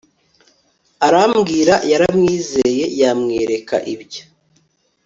aribwira. yaramwizeye. yamwereka ibyo